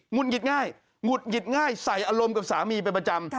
ุดหงิดง่ายหงุดหงิดง่ายใส่อารมณ์กับสามีเป็นประจำ